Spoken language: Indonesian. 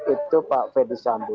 itu pak ferdisambo